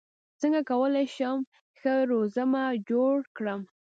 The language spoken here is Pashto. څنګه کولی شم ښه رزومه جوړ کړم